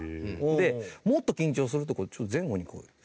でもっと緊張すると前後にこう。